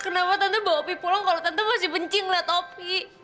kenapa tante bawa opi pulang kalau tante masih bencing lihat opi